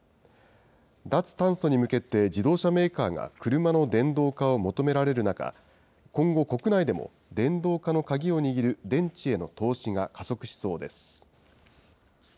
脱炭素に向けて、自動車メーカーが車の電動化を求められる中、今後、国内でも電動化の鍵を握る電池への投資が加速しそうです。